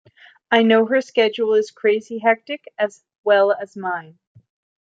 I know her schedule is crazy hectic as well as mine.